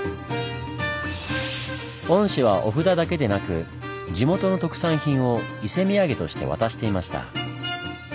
御師はお札だけでなく地元の特産品を伊勢土産として渡していました。